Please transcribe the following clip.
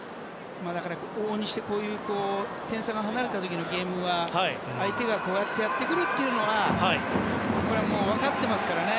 往々にして点差が離れた時のゲームは相手がこうやってやってくるというのは分かってますからね。